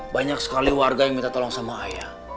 banyak sekali warga yang minta tolong sama ayah